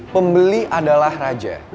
pembeli adalah raja